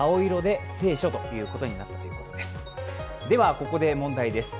ここで問題です。